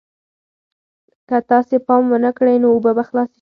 که تاسې پام ونه کړئ نو اوبه به خلاصې شي.